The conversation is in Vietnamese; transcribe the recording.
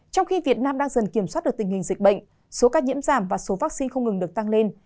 trong khi việt nam đang dần kiểm soát được tình hình dịch bệnh số ca nhiễm giảm và số vaccine không ngừng được tăng lên